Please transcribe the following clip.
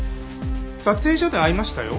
撮影所で会いましたよ。